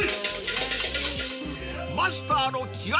［マスターの気合